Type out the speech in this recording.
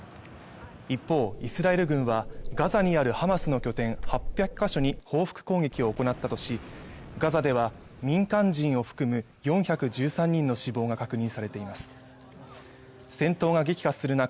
一方イスラエル軍はガザにあるハマスの拠点８００か所に報復攻撃を行ったとしガザでは民間人を含む４１３人の死亡が確認されています戦闘が激化する中